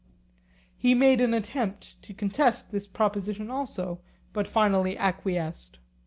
He made an attempt to contest this proposition also, but finally acquiesced.